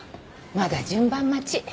まだ順番待ち。